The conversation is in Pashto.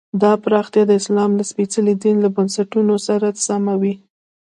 دا پراختیا د اسلام له سپېڅلي دین له بنسټونو سره سمه وي.